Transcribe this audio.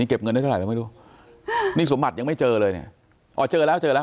เก็บเงินได้เท่าไหร่ไม่รู้นี่สมบัติยังไม่เจอเลยเนี่ยอ๋อเจอแล้วเจอแล้ว